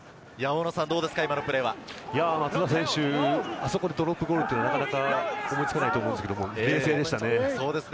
松田選手、あそこでドロップゴールというのはなかなか思いつかないと思うんですけれど、冷静でした。